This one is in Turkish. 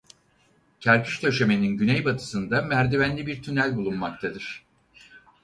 Kerpiç döşemenin güneybatısında merdivenli bir tünel bulunmaktadır.